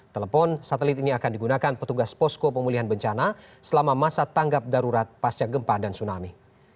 telepon satelit ini akan digunakan petugas posko pemulihan bencana selama masa tanggap darurat pasca gempa dan tsunami